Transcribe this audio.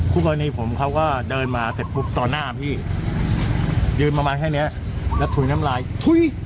คู่กรณีผมเขาก็เดินมาเสร็จปุ๊บต่อหน้าพี่ยืนประมาณแค่เนี้ยแล้วถุยน้ำลายถุย